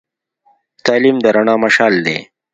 تعلیم د رڼا مشعل دی.